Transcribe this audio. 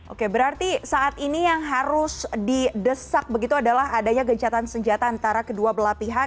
oke berarti saat ini yang harus didesak begitu adalah adanya gencatan senjata antara kedua belah pihak